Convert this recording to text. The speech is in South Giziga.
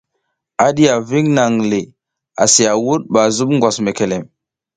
A diya ving nang le asi a wuɗ ɓa a zuɓ ngwas mekelem.